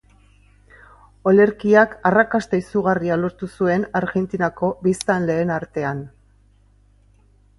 Olerkiak arrakasta izugarria lortu zuen Argentinako biztanleen artean.